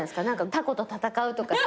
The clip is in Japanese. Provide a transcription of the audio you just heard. タコと戦うとかさ。